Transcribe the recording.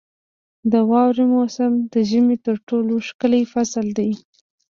• د واورې موسم د ژمي تر ټولو ښکلی فصل دی.